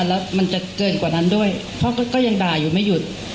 แล้วมันจะเกินกว่านั้นด้วยเพราะก็ยังด่าอยู่ไม่หยุด